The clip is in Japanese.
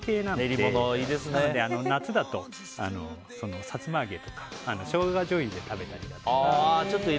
特に夏だと、さつま揚げとかショウガじょうゆで食べたりとか。